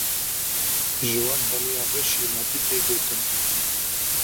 Ji wan hemûyan re şînatî tê gotin.